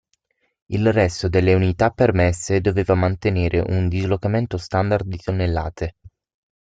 Il resto delle unità permesse doveva mantenere un dislocamento standard di tonnellate.